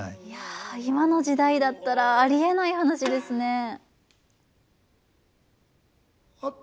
いや今の時代だったらありえない話ですね。